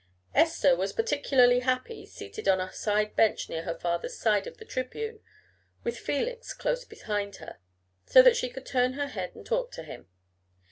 Esther was particularly happy, seated on a side bench near her father's side of the tribune, with Felix close behind her, so that she could turn her head and talk to him.